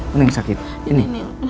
mending sakit ini